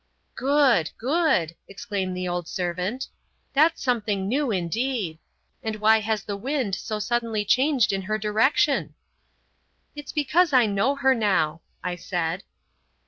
"Good! good!" exclaimed the old servant; "that's something new indeed! And why has the wind so suddenly changed in her direction?" "It's because I know her now!" I said.